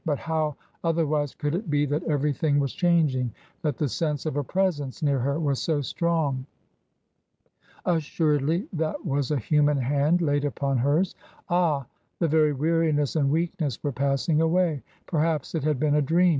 But how otherwise could it be that everything was changing, that the sense of a presence near her was so strong ? Assuredly that was a human hand laid upon hers. Ah I the very weariness and weakness were pass r ing away. Perhaps it had been a dream.